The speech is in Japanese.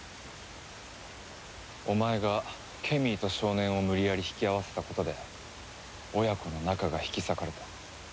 お前がケミーと少年を無理やり引き合わせたことで親子の仲が引き裂かれた。